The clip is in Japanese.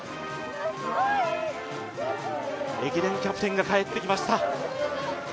駅伝キャプテンが帰ってきました。